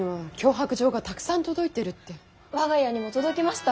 我が家にも届きました。